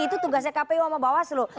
itu tugasnya kpu sama bawas loh